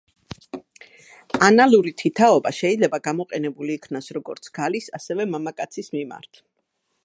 ანალური თითაობა შეიძლება გამოყენებულ იქნას როგორც ქალის ასევე მამაკაცის მიმართ.